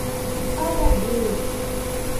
Salgadinho